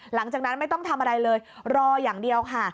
หลังจากนั้นไม่ต้องทำอะไรเลยรออย่างเดียวค่ะ